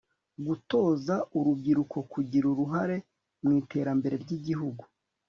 gutoza urubyiruko kugira uruhare mu iterambere ry'igihugu